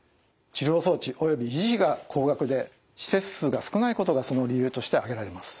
治療装置および維持費が高額で施設数が少ないことがその理由として挙げられます。